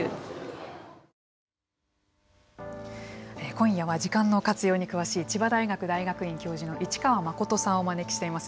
今夜は時間の活用に詳しい千葉大学大学院教授の一川誠さんをお招きしています。